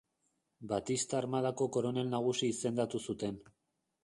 Batista Armadako koronel nagusi izendatu zuten.